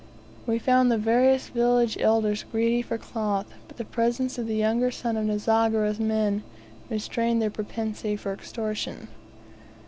We found the various village elders greedy for cloth, but the presence of the younger son of Nzogera's men restrained their propensity for extortion.